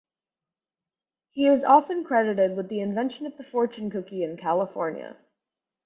He is often credited with the invention of the fortune cookie in California.